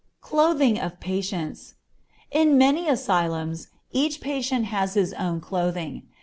Clothing of Patients. In many asylums each patient has his own clothing.